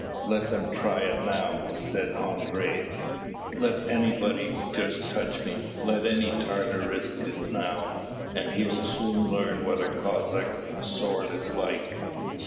"Let them try it know," said Andrii. "Let anybody just touch me, let any Tatar risk it now, and he'll soon learn what a Cossack's sword is like!"